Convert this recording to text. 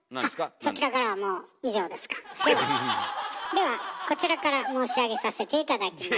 ではこちらから申し上げさせて頂きます。